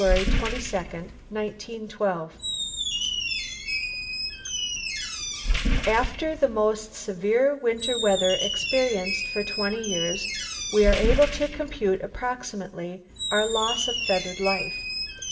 22, 1912: "After the most severe winter weather experienced for twenty years we are able to compute approximately our loss of feathered life.